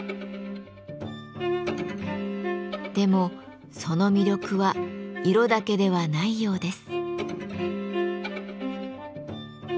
でもその魅力は色だけではないようです。